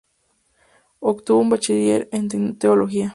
Obtuvo un bachiller en Teología.